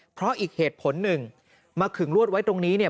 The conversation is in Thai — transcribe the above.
เพราะอีกเหตุผลหนึ่งมาขึงลวดไว้ตรงนี้เนี่ย